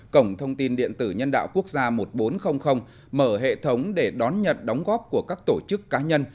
cổng thông tin điện tử nhân đạo quốc gia một nghìn bốn trăm linh mở hệ thống để đón nhận đóng góp của các tổ chức cá nhân